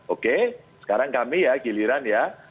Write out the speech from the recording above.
oke sekarang kami ya giliran ya